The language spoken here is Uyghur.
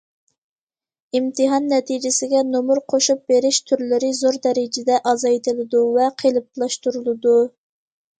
ئىمتىھان نەتىجىسىگە نومۇر قوشۇپ بېرىش تۈرلىرى زور دەرىجىدە ئازايتىلىدۇ ۋە قېلىپلاشتۇرۇلىدۇ.